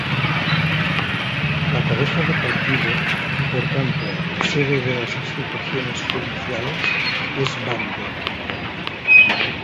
La cabeza de partido y por tanto sede de las instituciones judiciales es Bande.